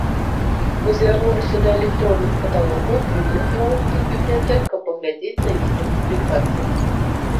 Мы звярнуліся да электронных каталогаў буйных беларускіх бібліятэк, каб паглядзець на яе публікацыі.